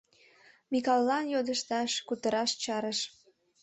Микалылан йодышташ, кутыраш чарыш.